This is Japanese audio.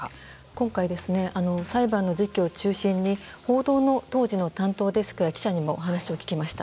今回裁判の時期を中心に報道の当時の担当デスクや記者にもお話を聞きました。